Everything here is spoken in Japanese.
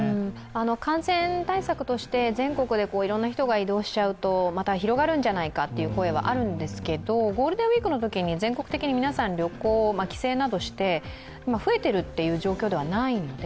感染対策として全国でいろいろな人が移動しちゃうとまた広がるんじゃないかっていう声はあるんですけどゴールデンウイークのときに全国的に皆さん、旅行帰省などして増えているという状況ではないので、